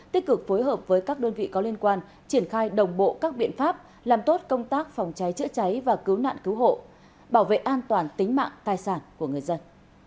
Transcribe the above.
tích cực phối hợp với các đơn vị có liên quan triển khai đồng bộ các biện pháp làm tốt công tác phòng cháy chữa cháy và cứu nạn cứu hộ bảo vệ an toàn tính mạng tài sản của người dân